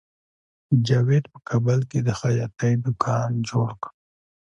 جاوید په کابل کې د خیاطۍ دکان جوړ کړ